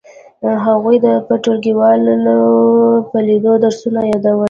هغې به د ټولګیوالو په لیدو درسونه یادول